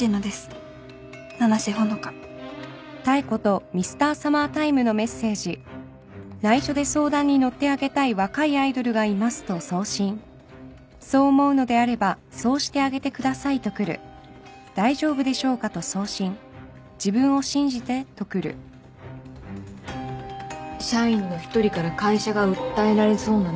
「七瀬ほのか」社員の一人から会社が訴えられそうなの。